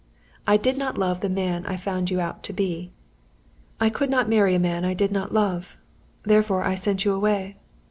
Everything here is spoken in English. I did not love the man I found you out to be. "I could not marry a man I did not love. Therefore, I sent you away.